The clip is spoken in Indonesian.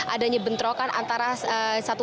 ada nyebentrokan antara satu